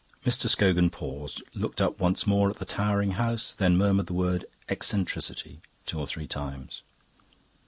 Mr. Scogan paused, looked up once more at the towering house, then murmured the word "Eccentricity," two or three times.